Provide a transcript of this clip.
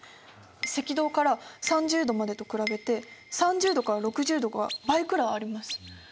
赤道から３０度までと比べて３０度から６０度が倍くらいあります。